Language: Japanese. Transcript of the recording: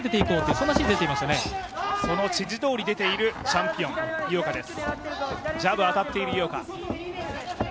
その指示どおり出ているチャンピオン・井岡です。